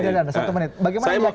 bagaimana perhatian kita semua